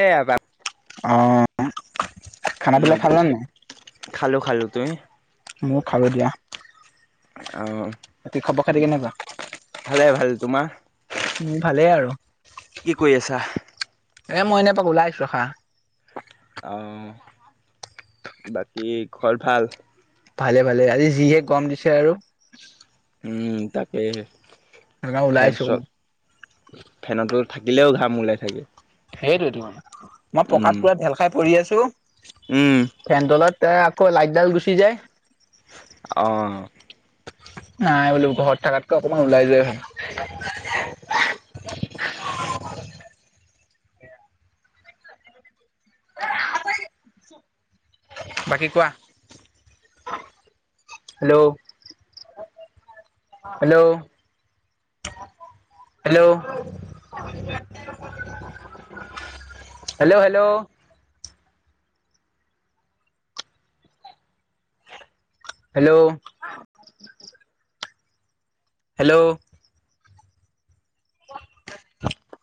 এ আ বাব অ'। খানাবিলাক নদি, খালা খালো-খালো তুমি? মোৰ খাব দিয়া। বাকী খবৰ খাতি অ', কেনেকুৱা? ভালে-ভাল তোমাৰ? উম', ভালেই আৰু। কি কৰি আছা এ মই এনে পাক ওলাই আহছো ৰখা। অ', বাকী ঘৰ ভাল? ভালে-ভালে আজি যিহে গম দিছে আৰু। উম', তাকে সেইকাৰণে ওলাই ফেন আহিছো চ অকমান। ফেনতো থাকিলেও ঘাম ওলাই থাকে। সেইটোৱটো মানে, মই উম পকাত পুৰা ঢেল খাই পৰি আছো। উম ফেন তলত এ আক লাইটডাল গুচি যায়। অ'। নাই বোলো ঘৰত থকাতকে অকমান ওলাই যোৱাই ভাল। [unintelligible] বাকী কোৱা, hello? Hello hello? Hello hello? Hello? Hello? [inaudible]